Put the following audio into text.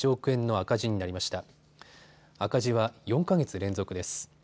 赤字は４か月連続です。